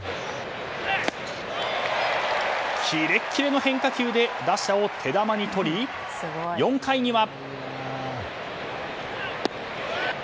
キレッキレの変化球で打者を手玉に取り４回には。